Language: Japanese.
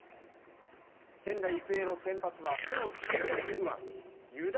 仙台育英の先発は、プロ注目右腕湯田